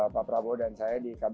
pak prabowo dan saya di kabinet jokowi